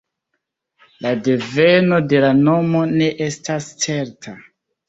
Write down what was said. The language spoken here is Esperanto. La deveno de la nomo ne estas certa.